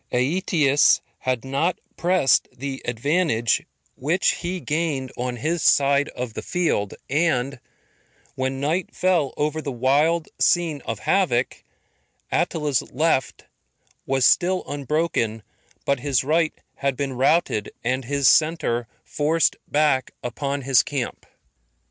Aetius had not pressed the advantage which he gained on his side of the field, and when night fell over the wild scene of havoc, Attila's left was still unbroken, but his right had been routed, and his centre forced back upon his camp.